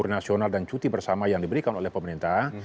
perjalanan nasional dan cuti bersama yang diberikan oleh pemerintah